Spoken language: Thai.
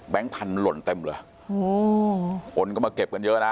แบงค์พันธุ์หล่นเต็มเหรอโอ้โหคนก็มาเก็บกันเยอะนะค่ะ